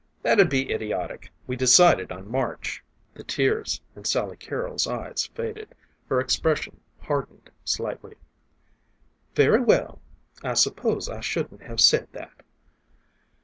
"That'd be idiotic. We decided on March." The tears in Sally Carrol's eyes faded; her expression hardened slightly. "Very well I suppose I shouldn't have said that."